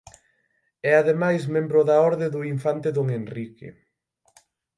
É ademais membro da Orde do Infante Don Enrique.